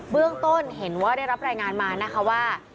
เรื่องต้นเห็นว่าได้รับรายงานมานะคะว่า